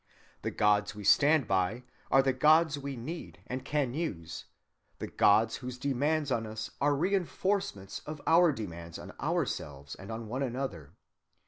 The gods we stand by are the gods we need and can use, the gods whose demands on us are reinforcements of our demands on ourselves and on one another.